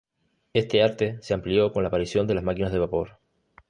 Este arte se amplió con la aparición de las máquinas de vapor.